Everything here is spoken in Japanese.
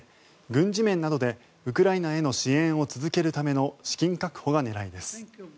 軍事面などでウクライナへの支援を続けるための資金確保が狙いです。